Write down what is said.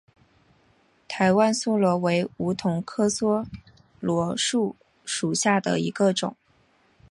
台湾梭罗为梧桐科梭罗树属下的一个种。